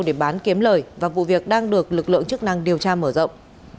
để bán kiếm lời và vụ việc đang được lực lượng chức năng điều tra mở rộng